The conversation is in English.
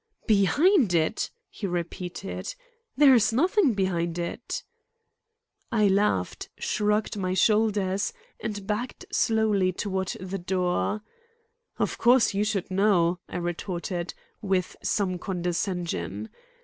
"Behind it!" he repeated. "There is nothing behind it." I laughed, shrugged my shoulders, and backed slowly toward the door. "Of course, you should know," I retorted, with some condescension.